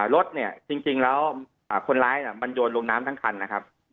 รถเนี่ยจริงแล้วคนร้ายมันโยนลงน้ำทั้งคันนะครับ